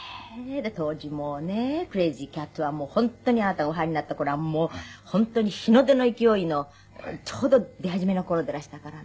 当時もうねえクレージーキャッツは本当にあなたがお入りになった頃はもう本当に日の出の勢いのちょうど出始めの頃でいらしたからね。